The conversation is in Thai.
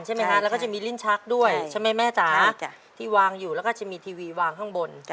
ใช่ไหมคะแล้วก็จะมีลิ้นชักด้วยใช่ไหมแม่จ๋าที่วางอยู่แล้วก็จะมีทีวีวางข้างบน